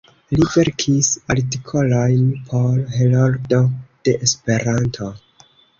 Li verkis artikolojn por "Heroldo de Esperanto.